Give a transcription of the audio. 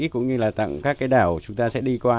cũng như là tặng các cái đảo chúng ta sẽ đi qua